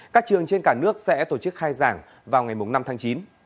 các trường trên cả nước sẽ tổ chức khai giảng vào ngày năm tháng chín